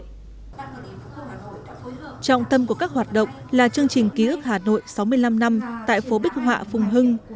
trọng tâm của các hoạt động là chương trình ký ức hà nội sáu mươi năm năm tại phố bích họa phùng hưng